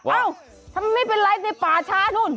เอ้าทำไมไม่เป็นไรในป่าช้านู่น